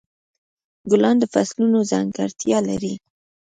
ګلان د فصلونو ځانګړتیا لري.